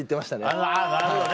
あっなるほどね。